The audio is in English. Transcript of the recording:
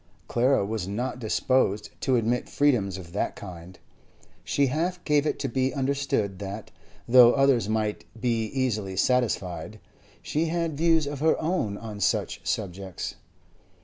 Clara was not disposed to admit freedoms of that kind; she half gave it to be understood that, though others might be easily satisfied, she had views of her own on such subjects.